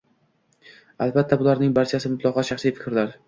Albatta, bularning barchasi mutlaqo shaxsiy fikrlar!